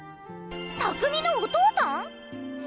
拓海のお父さん⁉